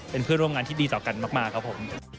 เป็นเพื่อนร่วมงานที่ดีต่อกันมากครับผม